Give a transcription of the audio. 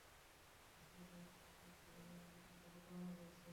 দোস্ত, দেখ সে কীভাবে আমাদের সাথে প্রতারণা করেছে?